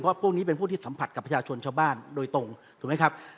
พวกนี้เป็นพวกที่สัมผัสกับประชาชนชาวบ้านโดยตรงถูกไหมครับ